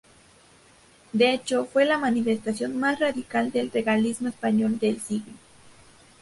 De hecho, fue la manifestación más radical del regalismo español del siglo.